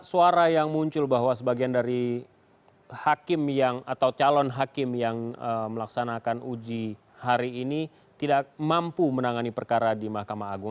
suara yang muncul bahwa sebagian dari hakim yang atau calon hakim yang melaksanakan uji hari ini tidak mampu menangani perkara di mahkamah agung